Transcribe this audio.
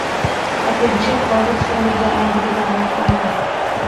আজকের বিশাল কোয়ালিস্ট সমাজের যারা আদি পিতা ও মাতা।